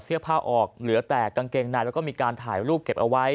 เสื้อผ้าออกเหลือแต่กางเกงในแล้วก็มีการถ่ายรูปเก็บเอาไว้